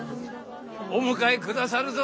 お迎えくださるぞ！